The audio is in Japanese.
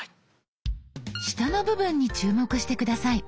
下の部分に注目して下さい。